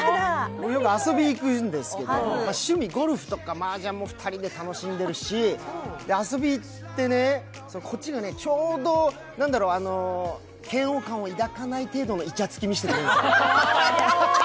遊びに行くんですけど、趣味、ゴルフとかマージャンも２人で楽しんでるし、遊びに行ってね、こっちがちょうど嫌悪感を抱かない程度のイチャつきを見せてくれるんです。